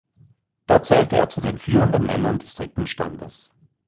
Dort zählte er zu den führenden Männern des Dritten Standes.